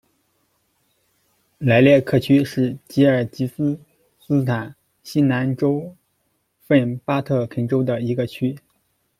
莱列克区是吉尔吉斯斯坦西南州份巴特肯州的一个区。